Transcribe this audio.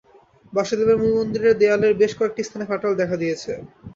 বাসুদেবের মূল মন্দিরের দেয়ালের বেশ কয়েকটি স্থানে ফাটল দেখা দিয়েছে।